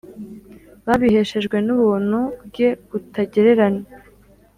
babiheshejwe n’ubuntu bwe butagereranywa